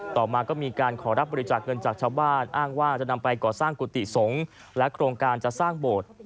ต่อมาก็มีการขอรับบริจาคเงินจากชาวบ้านอ้างว่าจะนำไปก่อสร้างกุฏิสงฆ์และโครงการจะสร้างโบสถ์